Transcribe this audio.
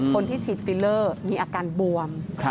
คนที่ฉีดฟิลเลอร์มีอาการบวม